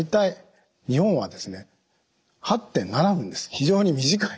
非常に短い。